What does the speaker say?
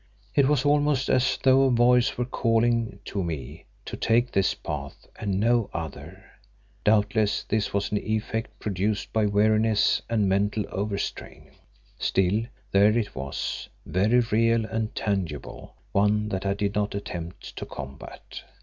It was almost as though a voice were calling to me to take this path and no other. Doubtless this was an effect produced by weariness and mental overstrain. Still, there it was, very real and tangible, one that I did not attempt to combat.